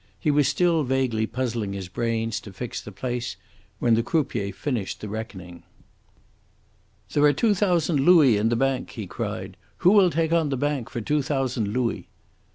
He was still vaguely puzzling his brains to fix the place when the croupier finished his reckoning. "There are two thousand louis in the bank," he cried. "Who will take on the bank for two thousand louis?"